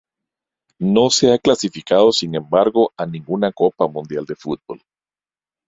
No se ha clasificado sin embargo a ninguna Copa Mundial de Fútbol.